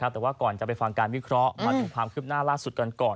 แต่ก่อนจากการการวิเคราะห์มาถึงความขืบหน้าล่าสุดก่อน